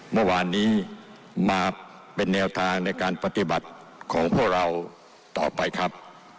เมื่อวานนี้มาเป็นแนวทางในการปฏิบัติของพวกเราต่อไปครับ